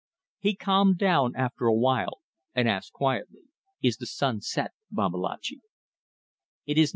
He calmed down after a while, and asked quietly "Is the sun set, Babalatchi?"